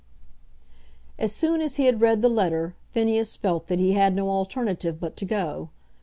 As soon as he had read the letter Phineas felt that he had no alternative but to go.